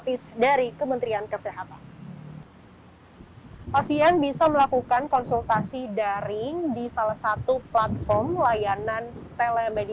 pasien akan melakukan tes psikologi